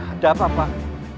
ada apa pak